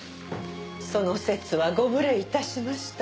その節はご無礼致しました。